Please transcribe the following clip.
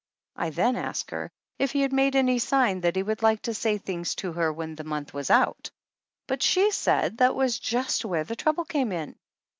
I then asked her if he had made any sign that he would like to say things to her when the month was out, but she said that was just where the trouble came in.